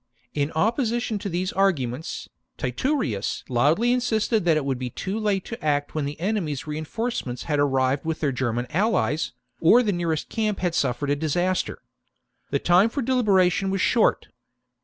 In opposition to these arguments, Titurius loudly insisted that it would be too late to act when the enemy's reinforcements had arrived with their German allies, or the nearest camp had 148 THE DISASTER AT ADUATUCA uook 54 B.C. suffered a disaster. The time for deliberation was short.